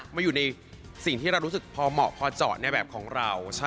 มันอยู่ในสิ่งที่เรารู้สึกประมา่คอเจาะแบบของเราน่ะ